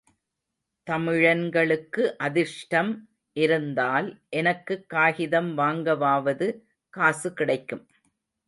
தமிழன்களுக்கு அதிர்ஷடம் இருந்தால், எனக்குக் காகிதம் வாங்கவாவது காசு கிடைக்கும்.